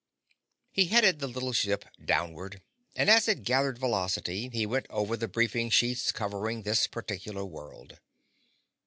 He headed the little ship downward, and as it gathered velocity he went over the briefing sheets covering this particular world.